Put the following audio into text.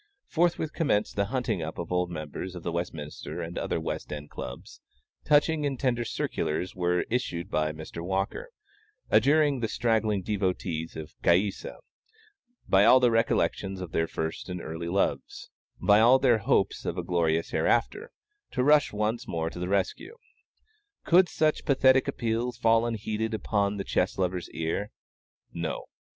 Forthwith commenced the hunting up of old members of the Westminster and other West End Clubs: touching and tender circulars were issued by Mr. Walker, adjuring the straggling devotees of Caïssa, by all the recollections of their first and early loves, by all their hopes of a glorious hereafter, to rush once more to the rescue. Could such pathetic appeals fall unheeded upon the chess lover's ear? No.